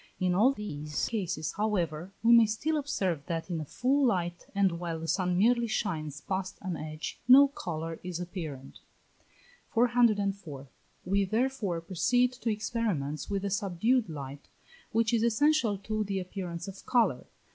In all these cases, however, we may still observe that in a full light and while the sun merely shines past an edge, no colour is apparent. 404. We therefore proceed to experiments with a subdued light, which is essential to the appearance of colour.